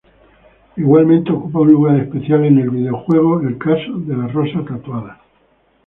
Igualmente ocupa un lugar especial en el videojuego "El caso de la rosa tatuada".